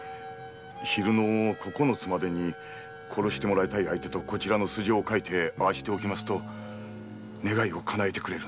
昼の九ツまでに殺して貰いたい相手とこちらの素性を書いてああしておくと願いをかなえてくれるんです。